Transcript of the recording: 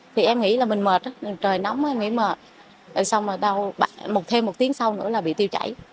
thì em nghĩ là mình mệt trời nóng em nghĩ mệt xong rồi đau thêm một tiếng sau nữa là bị tiêu chảy